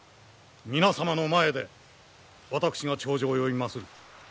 皆様の前で私が牒状を読みまする。